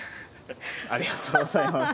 ありがとうございます。